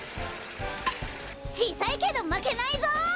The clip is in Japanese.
ちいさいけどまけないぞ！